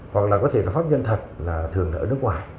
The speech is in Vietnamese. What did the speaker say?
hoặc là có thể là pháp nhân thật là thường là ở nước ngoài